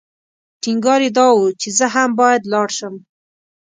ټینګار یې دا و چې زه هم باید لاړ شم.